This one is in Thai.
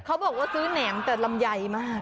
เขาบอกว่าซื้อแหนมแต่ลำไยมาก